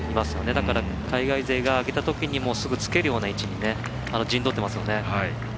だから、海外勢が上げた時にもすぐにつけるような位置に陣取っていますよね。